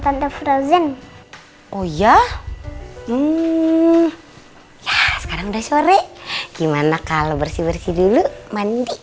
ada frozen oh ya hmm sekarang udah sore gimana kalau bersih bersih dulu mandi